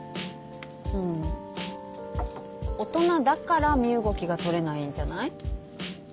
うん大人だから身動きが取れないんじゃない？